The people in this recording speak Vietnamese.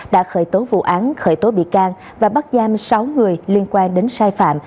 đã khởi tố vụ án khởi tố bị can và bắt giam sáu người liên quan đến sai phạm